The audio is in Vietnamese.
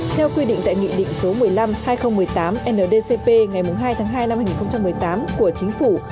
theo quy định tại nghị định số một mươi năm hai nghìn một mươi tám ndcp ngày hai tháng hai năm hai nghìn một mươi tám của chính phủ